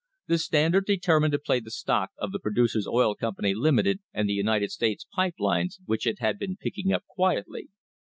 The Standard determined to play the stock of the Producers' Oil Company, Limited, and the United States Pipe Line, which it had been picking up quietly.